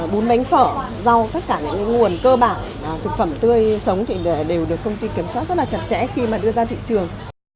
bún bánh phở rau tất cả những nguồn cơ bản thực phẩm tươi sống thì đều được công ty kiểm soát rất là chặt chẽ khi mà đưa ra thị trường